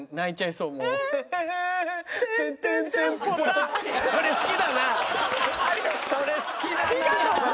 それ好きだなあ！